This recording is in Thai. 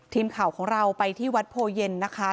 ทีมข่าวของเราไปที่วัดโพเย็นนะคะ